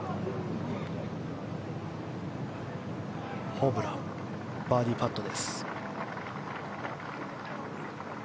ホブランのバーディーパット。